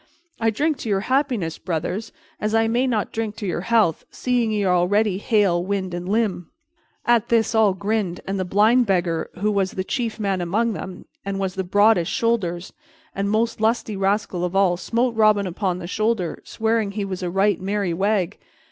I drink to your happiness, brothers, as I may not drink to your health, seeing ye are already hale, wind and limb." At this all grinned, and the Blind beggar, who was the chief man among them, and was the broadest shouldered and most lusty rascal of all, smote Robin upon the shoulder, swearing he was a right merry wag.